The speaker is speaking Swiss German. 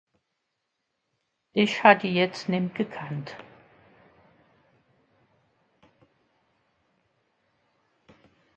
Dìch hätt ìch jetzt nemmi gekannt.